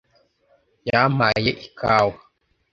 yampaye ikawa